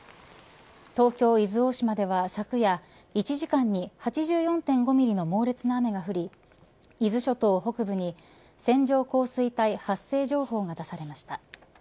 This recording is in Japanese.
東京、伊豆大島では昨夜１時間に８４．５ミリの猛烈な雨が降り伊豆諸島北部に線状降水帯発生情報が出されました。